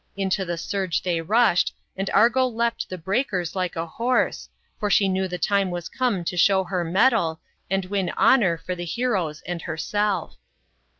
Into uhe surge they rushed, and Argo leapt the breakers like a horse, for she knew the time was come to show her mettle, and win honour for the heroes and herself.